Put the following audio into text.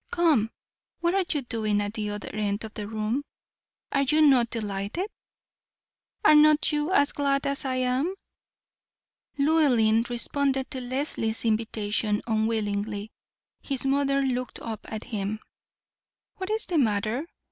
Come, what are you doing at the other end of the room? Are you not delighted? Are not you as glad as I am?" Llewellyn responded to Leslie's invitation unwillingly. His mother looked up at him. "What is the matter?"